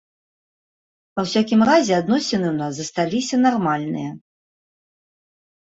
Ва ўсякім разе адносіны ў нас засталіся нармальныя.